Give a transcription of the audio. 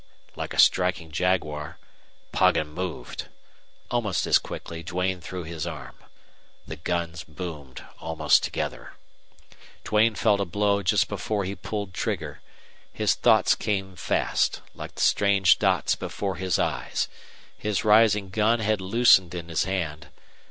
Like a striking jaguar Poggin moved. Almost as quickly Duane threw his arm. The guns boomed almost together. Duane felt a blow just before he pulled trigger. His thoughts came fast, like the strange dots before his eyes. His rising gun had loosened in his hand.